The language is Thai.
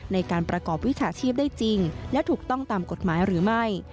ในการประกอบวิชาชีพได้จริงและถูกต้องตามกฎหมายหรือไม่